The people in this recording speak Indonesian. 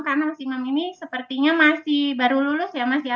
karena mas imam ini sepertinya masih baru lulus ya mas ya